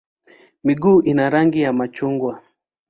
Miguu ina rangi ya machungwa.